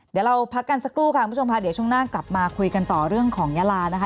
เดี๋ยวเราพักกันสักครู่ค่ะคุณผู้ชมค่ะเดี๋ยวช่วงหน้ากลับมาคุยกันต่อเรื่องของยาลานะคะ